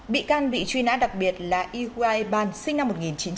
bị can bị truy nã đặc biệt là y y ban sinh năm một nghìn chín trăm bảy mươi